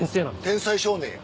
天才少年や。